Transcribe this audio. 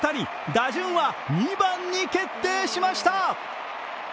打順は２番に決定しました。